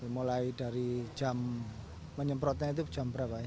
mulai dari jam menyemprotnya itu jam berapa ya